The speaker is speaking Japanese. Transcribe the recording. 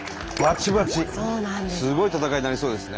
すごい戦いになりそうですね。